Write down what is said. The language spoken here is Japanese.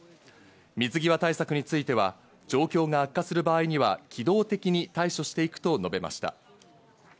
水際対策については状況が悪化する場合には、機動的に対処していくと述べました。